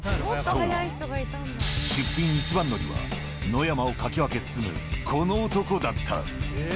そう、出品一番乗りは、野山をかき分け進む、この男だった。